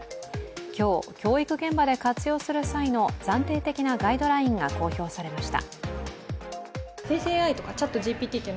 今日、教育現場で活用する際の暫定的なガイドラインが公表されました。